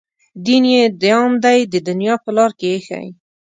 دین یې دام دی د دنیا په لار کې ایښی.